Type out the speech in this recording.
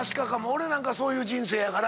俺なんかそういう人生やから。